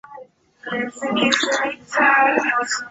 许闻廉早期在西北大学的研究偏重于图形演算法的理论。